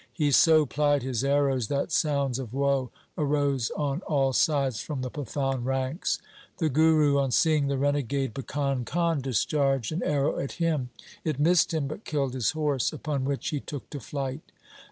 He so plied his arrows that sounds of woe arose on all sides from the Pathan ranks. The Guru, on seeing the renegade Bhikan Khan, 44 THE SIKH RELIGION discharged an arrow at him. It missed him but killed his horse, upon which he took to flight.